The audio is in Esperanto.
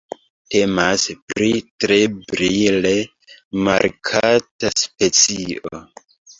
Temas pri tre brile markata specio.